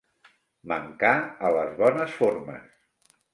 Mancar a les bones formes.